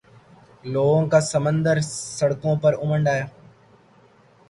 لوگوں کا سمندر سڑکوں پہ امڈآیا۔